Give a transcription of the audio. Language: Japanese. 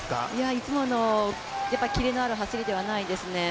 いつものキレのある走りではないですね。